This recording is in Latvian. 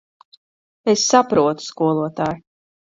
Es saprotu, skolotāj.